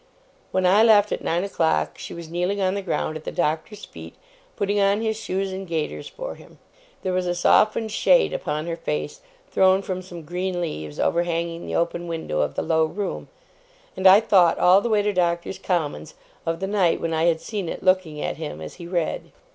When I left, at nine o'clock, she was kneeling on the ground at the Doctor's feet, putting on his shoes and gaiters for him. There was a softened shade upon her face, thrown from some green leaves overhanging the open window of the low room; and I thought all the way to Doctors' Commons, of the night when I had seen it looking at him as he read.